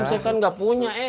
saya kan nggak punya eh